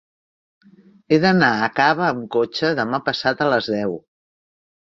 He d'anar a Cava amb cotxe demà passat a les deu.